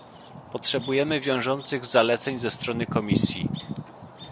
Potrzebujemy wiążących zaleceń ze strony Komisji